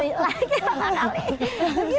lagi berapa kali